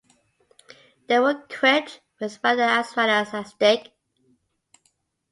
They were equipped with radar as well as asdic.